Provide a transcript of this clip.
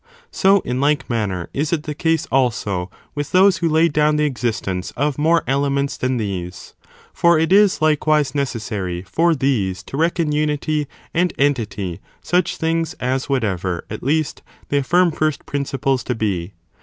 So, in like manner, is it the case, also, with those who lay down the existence of more elements than these ; for it is, likewise, necessary for these to reckon unity and entity such things as whatever, at least, they affirm first principles to be.